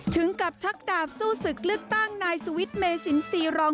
ถึงกับชักดาบสู้ศึกลึกต้างนายสวิตเมเศษีรอง